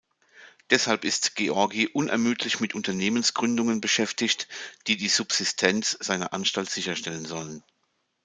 Deshalb ist Georgi unermüdlich mit Unternehmensgründungen beschäftigt, die die Subsistenz seiner Anstalt sicherstellen sollen.